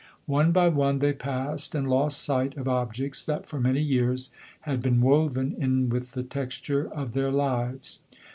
One by one they passed, and lost sight of ob jects, that for many years had been woven in with the texture of their lives.